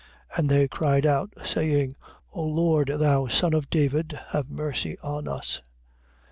And they cried out, saying: O Lord, thou son of David, have mercy on us.